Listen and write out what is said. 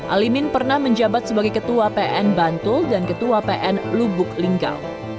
alimin pernah menjabat sebagai ketua pn bantul dan ketua pn lubuk linggau